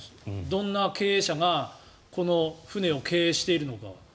どんな経営者がこの船を経営しているのか。